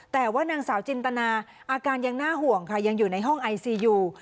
แต่ว่านางสาวจินตนาอาการยังน่าห่วงค่ะยังอยู่ในห้องไอซียู